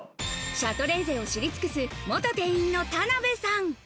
シャトレーゼを知り尽くす、元店員の田辺さん。